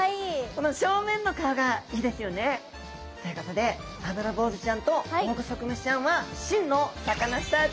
この正面の顔がいいですよね。ということでアブラボウズちゃんとオオグソクムシちゃんは真のサカナスターでギョざいます。